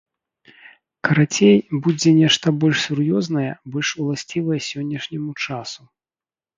Карацей, будзе нешта больш сур'ёзнае, больш уласцівае сённяшняму часу.